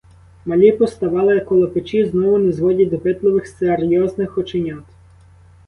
Малі поставали коло печі знову не зводять допитливих серйозних оченят.